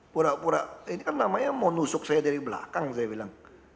pura pura ini kan namanya mau nusuk saya dari belakang saya bilang